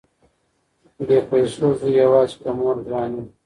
بې پيسو زوی يواځې په مور ګران وي